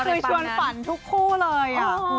เคยชวนฝันทุกคู่เลย